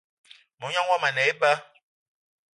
Mognan yomo a ne eba